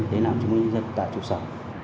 đến làm chứng minh nhân dân tại trụ sở